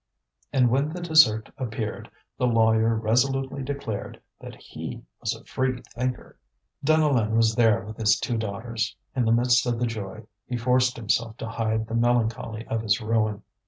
And when the dessert appeared the lawyer resolutely declared that he was a free thinker. Deneulin was there with his two daughters. In the midst of the joy, he forced himself to hide the melancholy of his ruin.